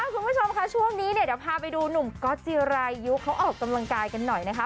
คุณผู้ชมค่ะช่วงนี้เนี่ยเดี๋ยวพาไปดูหนุ่มก๊อตจิรายุเขาออกกำลังกายกันหน่อยนะคะ